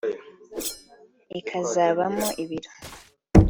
ikazabamo ibiro